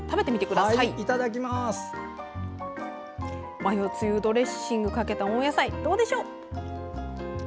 マヨつゆドレッシングをかけた、温野菜どうでしょう。